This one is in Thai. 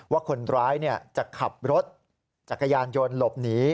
ว่าคนร้ายจะขับรถจักรยานยนต์หลบหนี